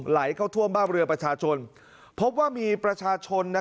ไหลเข้าท่วมบ้านเรือประชาชนพบว่ามีประชาชน